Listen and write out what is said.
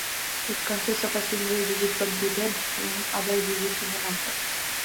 It consists of a single digit computed from the other digits in the number.